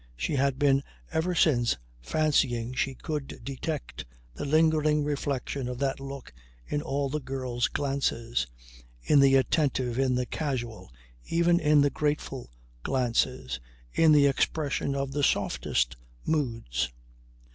She had been ever since fancying she could detect the lingering reflection of that look in all the girl's glances. In the attentive, in the casual even in the grateful glances in the expression of the softest moods.